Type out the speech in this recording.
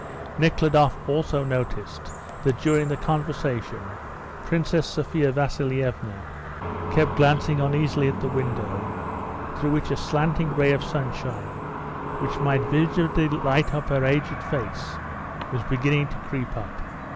Nekhludoff also noticed that during the conversation Princess Sophia Vasilievna kept glancing uneasily at the window, through which a slanting ray of sunshine, which might vividly light up her aged face, was beginning to creep up.